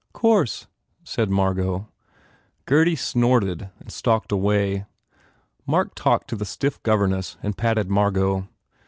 " Course," said Margot. Gurdy snorted and stalked away. Mark talked to the stiff governess and patted Margot.